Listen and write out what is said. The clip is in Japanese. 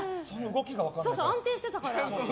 安定してたから。